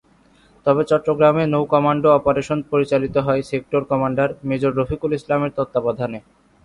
তবে চট্টগ্রামে নৌ-কমান্ডো অপারেশন পরিচালিত হয় সেক্টর কমান্ডার মেজর রফিকুল ইসলামের তত্ত্বাবধানে।